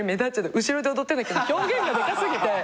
後ろで踊ってんだけど表現がでか過ぎて。